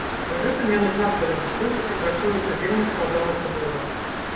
Пры гэтым яны часта рызыкуюць і працуюць у вельмі складаных умовах.